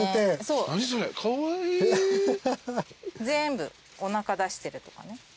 全部おなか出してるとかね。